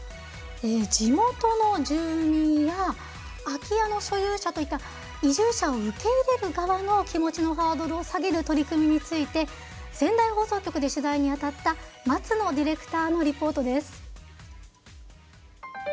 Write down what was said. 地元の住民や空き家の所有者といった移住者を受け入れる側の気持ちのハードルを下げる取り組みについて仙台放送局で取材に当たった松野ディレクターのリポートです。